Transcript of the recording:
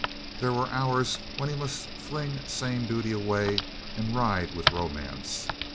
There were hours when he must fling sane duty away and ride with romance.